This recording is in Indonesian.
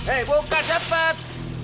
eh buka cepat